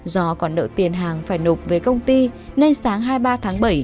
do còn nợ tiền hàng phải nộp về công ty nên sáng hai mươi ba tháng bảy